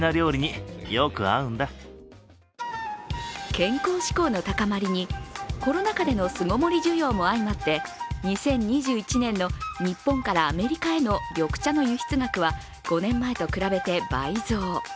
健康志向の高まりにコロナ禍での巣ごもり需要も相まって２０２１年の日本からアメリカへの緑茶の輸出額は５年前と比べて倍増。